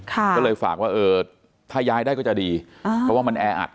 ก็เลยฝากว่าเออถ้าย้ายได้ก็จะดีเพราะว่ามันแออัด